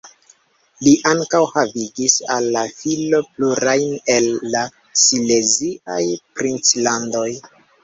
Li ankaŭ havigis al la filo plurajn el la sileziaj princlandoj.